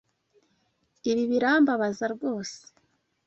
Ibi birambabaza rwose.